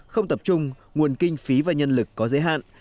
không tập trung nguồn kinh phí và nhân lực có giới hạn